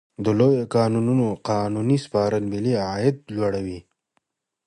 د لویو کانونو قانوني سپارل ملي عاید لوړوي.